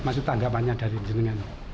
maksud tanggapannya dari jenengan